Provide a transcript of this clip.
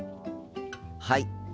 はい。